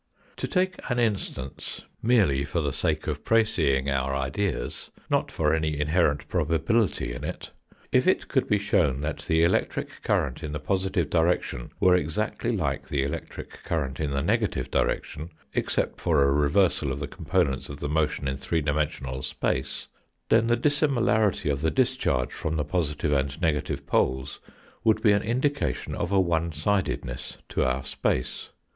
To take an instance, merely, for the sake of precising our ideas, not for any inherent probability in it ; if it could be shown that the electric current in the positive direction were exactly like the electric current in the negative direction, except for a reversal of the components of the motion in three dimensional space, then the dissimilarity of the discharge from the positive and negative poles would be an indication of a one sideness to our space.